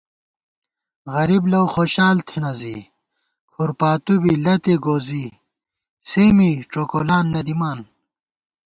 غریب لؤخوشال تھنہ زی کھُر پاتُو بی لتےگوزِی سےمی ڄوکولان نہ دِمان